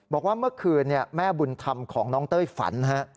บอกว่าเมื่อคืนแม่บุญธรรมของน้องเต้ยฝันฮะ